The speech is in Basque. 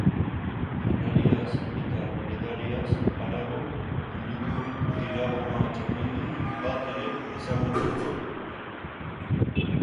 Janariaz eta edariaz harago, munduko tiragoma txapeldun bat ere ezagutuko dute.